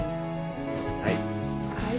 はい。